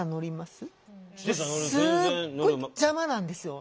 すっごい邪魔なんですよ